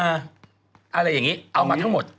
อะไรอย่างนี้เอามาทั้งหมด